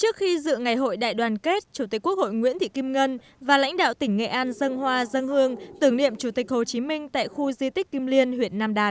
trước khi dự ngày hội đại đoàn kết chủ tịch quốc hội nguyễn thị kim ngân và lãnh đạo tỉnh nghệ an dân hoa dân hương tưởng niệm chủ tịch hồ chí minh tại khu di tích kim liên huyện nam đàn